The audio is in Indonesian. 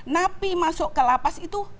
napi masuk ke lapas itu